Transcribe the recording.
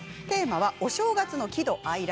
テーマはお正月の喜怒哀